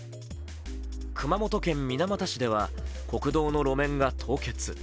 熊本県水俣市では国道の路面が凍結。